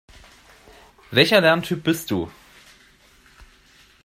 Welcher Lerntyp bist du?